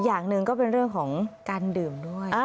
อย่างหนึ่งก็เป็นเรื่องของการดื่มด้วย